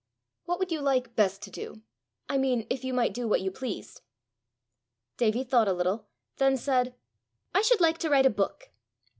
"What would you like best to do I mean if you might do what you pleased?" Davie thought a little, then said: "I should like to write a book."